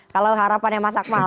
kalau harapannya mas akmal